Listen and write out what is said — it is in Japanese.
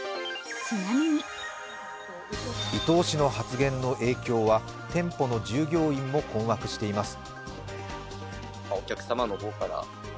伊東氏の発言の影響は店舗の従業員も困惑しています。